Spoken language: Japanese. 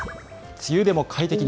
梅雨でも快適に。